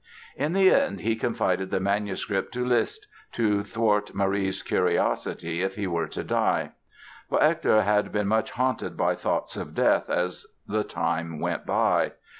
In the end he confided the manuscript to Liszt, to thwart Marie's curiosity if he were to die. For Hector had been much haunted by thoughts of death as the time went by.